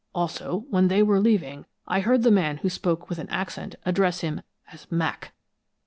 Also, when they were leaving, I heard the man who spoke with an accent address him as 'Mac.'"